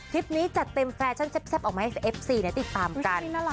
นี้จัดเต็มแฟชั่นแซ่บออกมาให้เอฟซีติดตามกัน